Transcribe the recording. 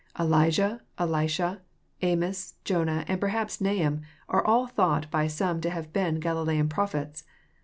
Elijah, Elisha, Amos, Jonah, and perhaps Nahum, are all thought by some to have been Galilean prophets.